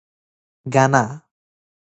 گنه